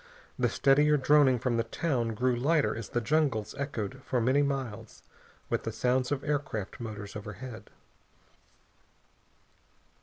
The steadier droning from the town grew lighter as the jungles echoed for many miles with the sounds of aircraft motors overhead.